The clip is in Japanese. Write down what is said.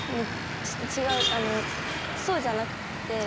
違うあのそうじゃなくって。